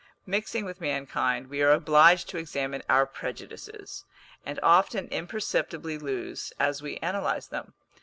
Mixing with mankind, we are obliged to examine our prejudices, and often imperceptibly lose, as we analyse them.